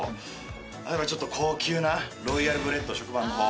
やっぱちょっと高級なロイヤルブレッド食パンの。